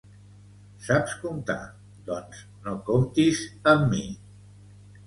Saps comptar, doncs no comptis amb mi